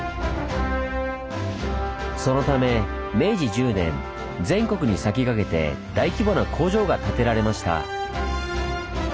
そのため明治１０年全国に先駆けて大規模な工場が建てられました。